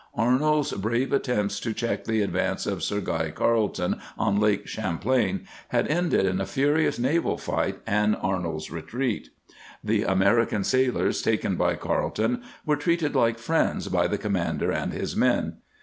Arnold's brave attempt to check the advance of Sir Guy Carleton on Lake Cham plain had ended in a furious naval fight and Arnold's retreat. The American sailors taken by Carleton were treated like friends by the com mander and his men.